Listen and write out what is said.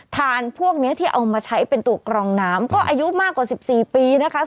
ทานพวกนี้ที่เอามาใช้เป็นตัวกรองน้ำก็อายุมากกว่า๑๔ปีนะคะ